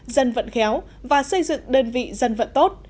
dân vận khéo và xây dựng đơn vị dân vận tốt